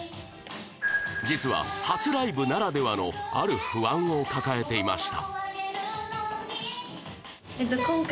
実は初ライブならではのある不安を抱えていました